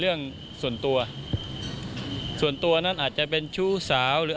เรื่องส่วนตัวส่วนตัวนั้นอาจจะเป็นชู้สาวหรือ